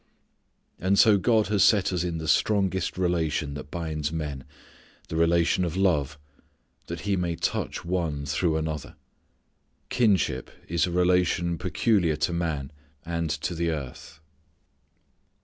And so God has set us in the strongest relation that binds men, the relation of love, that He may touch one through another. Kinship is a relation peculiar to man, and to the earth.